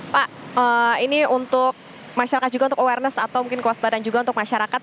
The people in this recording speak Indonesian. pak ini untuk masyarakat juga untuk awareness atau mungkin kewaspadaan juga untuk masyarakat